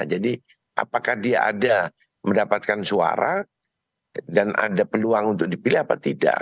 jadi apakah dia ada mendapatkan suara dan ada peluang untuk dipilih apa tidak